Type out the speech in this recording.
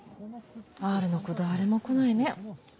Ｒの子誰も来ないね。